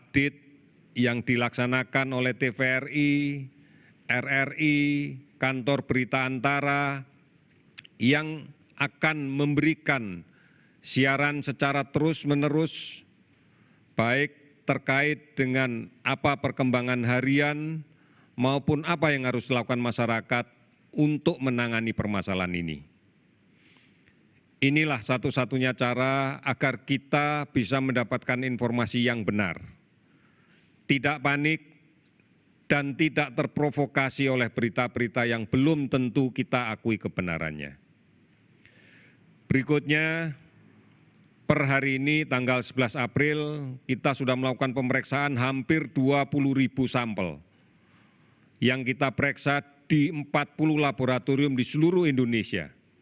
dari sumber sumber yang benar dari sumber sumber yang resmi